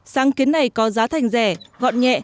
sáng kiến này có giá thành rẻ gọn nhẹ